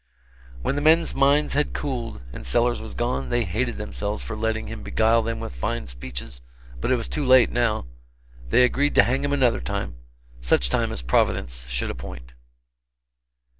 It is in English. When the men's minds had cooled and Sellers was gone, they hated themselves for letting him beguile them with fine speeches, but it was too late, now they agreed to hang him another time such time as Providence should appoint.